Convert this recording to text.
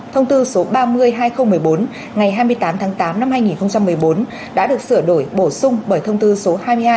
thông tư số ba mươi hai nghìn một mươi bốn ngày hai mươi tám tám hai nghìn một mươi bốn đã được sửa đổi bổ sung bởi thông tư số hai mươi hai hai nghìn một mươi sáu